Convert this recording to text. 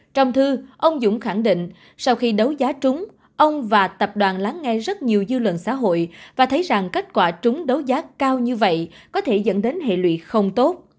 trong thư ông dũng khẳng định sau khi đấu giá trúng ông và tập đoàn lắng nghe rất nhiều dư luận xã hội và thấy rằng kết quả trúng đấu giá cao như vậy có thể dẫn đến hệ lụy không tốt